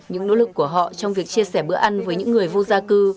những nỗ lực của họ trong việc chia sẻ bữa ăn với những người vô gia cư